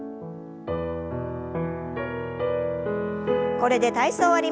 これで体操を終わります。